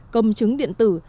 công chứng điện tử